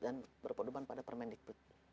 dan berpon depan pada permendikbud